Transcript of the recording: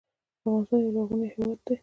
افغانستان یو لرغونی هیواد دی